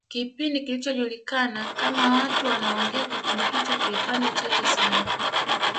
kipindi kilichojulikana kama watu wanaongea kipindi hicho kilipanda chati sana